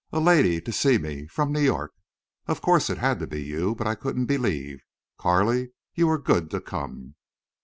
"A lady to see me—from New York!... Of course it had to be you. But I couldn't believe. Carley, you were good to come."